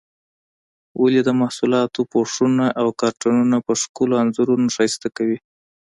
ولې د محصولاتو پوښونه او کارتنونه په ښکلو انځورونو ښایسته کوي؟